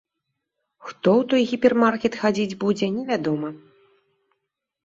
Хто ў той гіпермаркет хадзіць будзе, невядома.